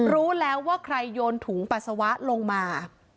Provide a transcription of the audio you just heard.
รู้แล้วว่าใครโยนถุงปัสสาวะลงมา